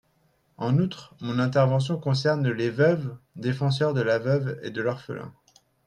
En outre, mon intervention concerne les veuves Défenseur de la veuve et de l’orphelin